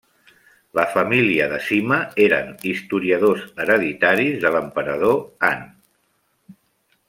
La família de Sima eren historiadors hereditaris de l'emperador Han.